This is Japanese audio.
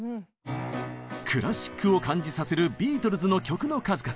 クラシックを感じさせるビートルズの曲の数々。